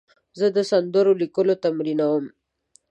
زه د سندرو لیکل تمرینوم.